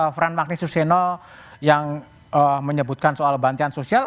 fran magnus suseno yang menyebutkan soal bantian sosial